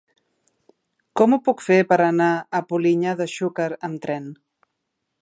Com ho puc fer per anar a Polinyà de Xúquer amb tren?